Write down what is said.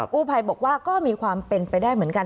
กู้ภัยบอกว่าก็มีความเป็นไปได้เหมือนกัน